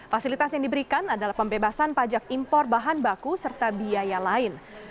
fasilitas yang diberikan adalah pembebasan pajak impor bahan baku serta biaya lain